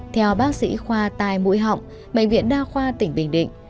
theo bác sĩ khoa tai mũi họng bệnh viện đa khoa tỉnh bình định